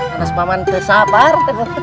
terus paman tersabar